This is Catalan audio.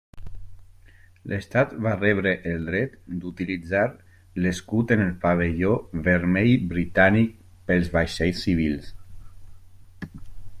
L'estat va rebre el dret d'utilitzar l'escut en el pavelló vermell britànic pels vaixells civils.